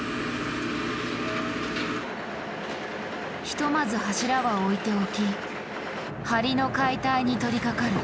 ひとまず柱は置いておき梁の解体に取りかかる。